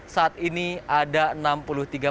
saat ini ada enam puluh tiga orang